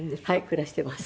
暮らしています。